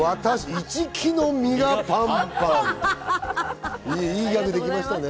市來の実がパンパン。